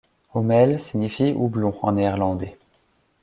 Hommel signifie houblon en néerlandais.